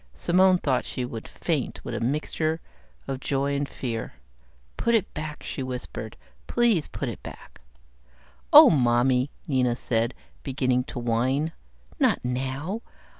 Simone thought she would faint with a mixture of joy and fear. "Put it back," she whispered. "Please put it back." "Oh Mommy," Nina said, beginning to whine. "Not now.